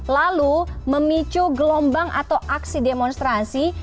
lalu memicu gelombang atau aksi demonstrasi